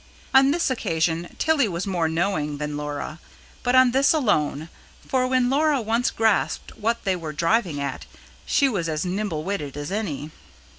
On this occasion, Tilly was more knowing than Laura; but on this alone; for when Laura once grasped what they were driving at, she was as nimble witted as any.